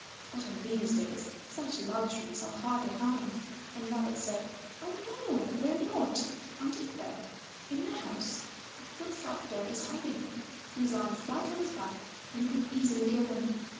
But in these days such luxuries are hard to find." And Rabbit said, "Oh no, they are not; under my bed in my house, a good fat bear is hiding. He is lying flat on his back, and you can easily kill him."